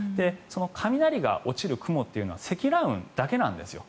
雷が落ちる雲というのは積乱雲だけなんですよ。